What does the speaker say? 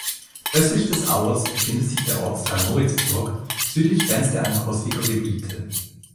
Östlich des Auers befindet sich der Ortsteil Moritzburg, südlich grenzt er an Coswiger Gebiet.